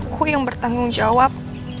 aku yang bertanggung jawab